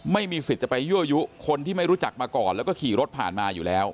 ไม่มีสิทธิ์จะไปยั่วยุคนที่ไม่รู้จักมาก่อนแล้วก็ขี่รถผ่านมาอยู่แล้ว